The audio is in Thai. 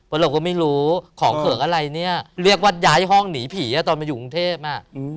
เพราะเราก็ไม่รู้ของเขิงอะไรเนี่ยเรียกว่าย้ายห้องหนีผีตอนมาอยู่กรุงเทพอ่ะ